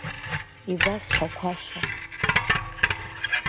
Ибасҳәақәаша…